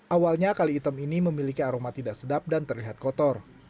awalnya kali hitam ini memiliki aroma tidak sedap dan terlihat kotor